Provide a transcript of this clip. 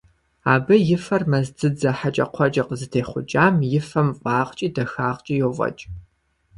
Абы и фэр мэз дзыдзэр хьэкӀэкхъуэкӀэ къызытехъукӀам и фэм фӀагъкӀи дахагъкӀи йофӀэкӀ.